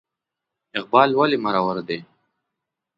اقبال ولې مرور دی ؟